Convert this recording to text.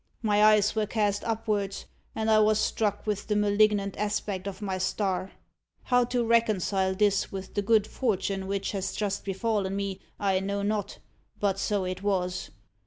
My eyes were cast upwards, and I was struck with the malignant aspect of my star. How to reconcile this with the good fortune which has just befallen me, I know not but so it was.